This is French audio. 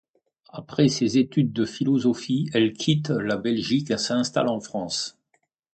Après ses études de philosophie, elle quitte la Belgique et s’installe en France.